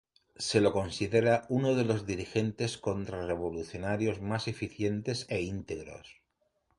Se lo considera uno de los dirigentes contrarrevolucionarios más eficientes e íntegros.